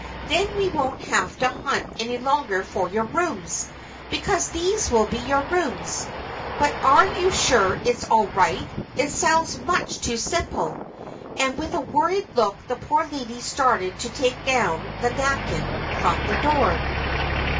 "Then we won't have to hunt any longer for your rooms, because these will be your rooms. But are you sure it's all right? It sounds much too simple." And with a worried look the poor lady started to take down the napkin from the door.